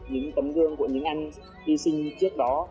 những tấm thương của những anh đi sinh trước đó